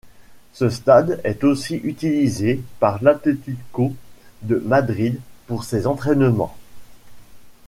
Ce stade est aussi utilisé par l'Atlético de Madrid pour ses entraînements.